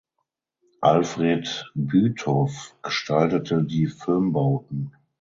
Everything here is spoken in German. Alfred Bütow gestaltete die Filmbauten.